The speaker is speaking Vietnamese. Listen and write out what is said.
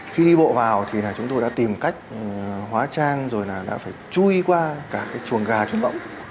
khi đi bộ vào thì là chúng tôi đã tìm cách hóa trang rồi là đã phải chui qua cả cái chuồng gà chút bỗng